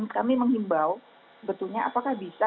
kami menghimbau betulnya apakah bisa